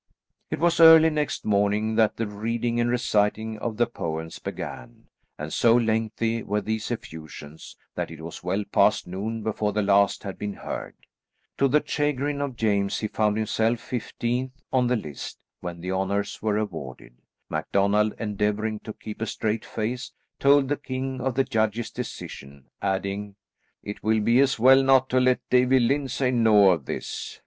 It was early next morning that the reading and reciting of the poems began, and so lengthy were these effusions that it was well past noon before the last had been heard. To the chagrin of James he found himself fifteenth on the list when the honours were awarded. MacDonald, endeavouring to keep a straight face, told the king of the judges' decision, adding, "It will be as well not to let Davie Lyndsay know of this."